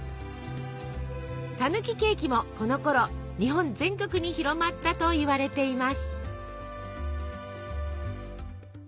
たぬきケーキもこのころ日本全国に広まったといわれています。